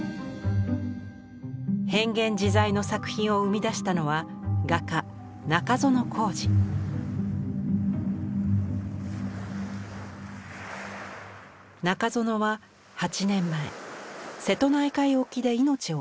変幻自在の作品を生み出したのは中園は８年前瀬戸内海沖で命を落としました。